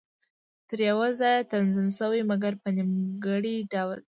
تر یوه ځایه تنظیم شوې وې، مګر په نیمګړي ډول.